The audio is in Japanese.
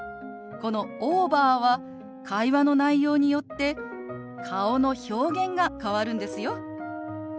この「オーバー」は会話の内容によって顔の表現が変わるんですよ。